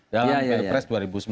dalam pilpres dua ribu sembilan belas